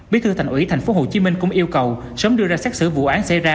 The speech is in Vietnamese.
bí thư thành ủy tp hcm cũng yêu cầu sớm đưa ra xác xử vụ án xảy ra